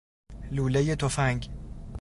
لولۀ تفنگ